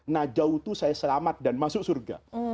najawtu saya selamat dan masuk surga